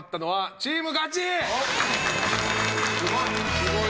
すごい。